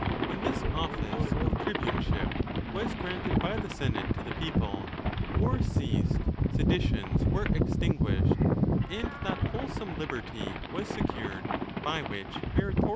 When this office of tribuneship was granted by the senate to. the people, wars ceased, seditions were extinguished, and that wholesome liberty was secured by which meritorious com